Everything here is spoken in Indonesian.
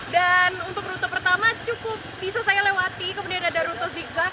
dan untuk rute pertama cukup bisa saya lewati kemudian ada rute zigzag